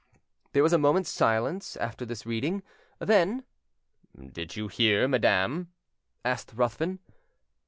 There was a moment's silence after this reading, then "Did you hear, madam?" asked Ruthven.